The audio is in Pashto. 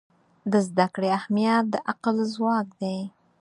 د زده کړې اهمیت د عقل ځواک دی.